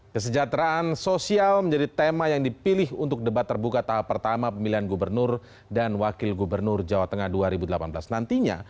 kesejahteraan sosial menjadi tema yang dipilih untuk debat terbuka tahap pertama pemilihan gubernur dan wakil gubernur jawa tengah dua ribu delapan belas nantinya